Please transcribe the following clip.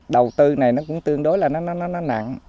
đầu tư này cũng tương đối là nó nặng